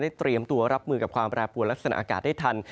เตรียมตัวรับมือกับความแปรปวนลักษณะอากาศได้ทัน